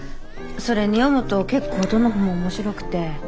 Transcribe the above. それに読むと結構どの本も面白くて。